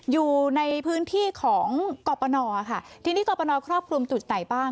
อยู่ในพื้นที่ของกรปนค่ะทีนี้กรปนครอบคลุมจุดไหนบ้าง